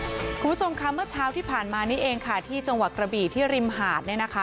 คุณผู้ชมค่ะเมื่อเช้าที่ผ่านมานี้เองค่ะที่จังหวัดกระบี่ที่ริมหาดเนี่ยนะคะ